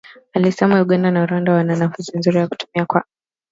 alisema Uganda na Rwanda wana nafasi nzuri ya kutumia kwa